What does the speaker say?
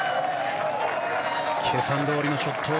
計算どおりのショット。